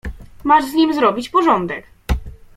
"Masz z nim zrobić porządek."